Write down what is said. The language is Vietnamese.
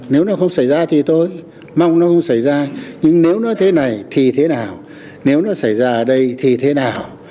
nếu nó không xảy ra thì tôi mong nó không xảy ra nhưng nếu nó thế này thì thế nào nếu nó xảy ra ở đây thì thế nào